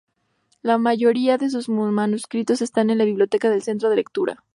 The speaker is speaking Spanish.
La mayoría de sus manuscritos están en la Biblioteca del Centro de Lectura.